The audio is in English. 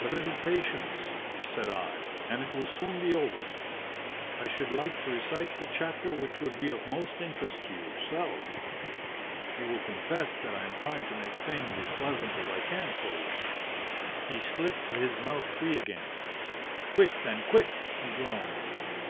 "'A little patience,' said I, 'and it will soon be over. I should like to recite the chapter which would be of most interest to yourself. You will confess that I am trying to make things as pleasant as I can for you?" He slipped his mouth free again. "'Quick, then, quick!' he groaned.